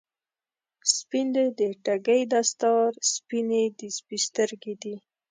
سپین دی د ټګۍ دستار، سپینې د سپي سترګی دي